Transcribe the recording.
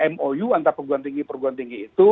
mou antar peguam tinggi peguam tinggi itu